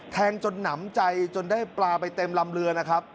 แทงจนหนำใจจนได้ปลาไปเต็มลำเรือนะครับ